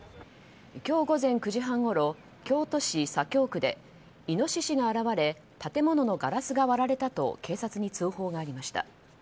今日午前９時半ごろ京都市左京区でイノシシが現れ建物のガラスが割られたと警察に通報がありました。